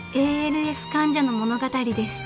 ＡＬＳ患者の物語です。